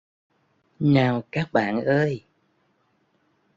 Nào các bạn ơi